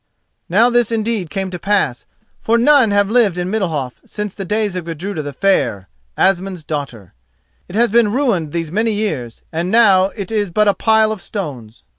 Now this indeed came to pass, for none have lived in Middalhof since the days of Gudruda the Fair, Asmund's daughter. It has been ruined these many years, and now it is but a pile of stones.